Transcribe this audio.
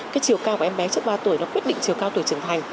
cái chiều cao của em bé trước ba tuổi nó quyết định chiều cao tuổi trưởng thành